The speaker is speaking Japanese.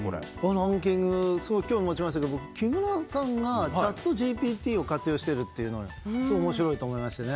ランキング、すごく興味持ちましたけど、木村さんがチャットＧＰＴを活用してるのは面白いなと思いましたね。